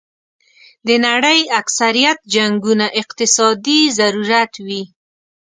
د نړۍ اکثریت جنګونه اقتصادي ضرورت وي.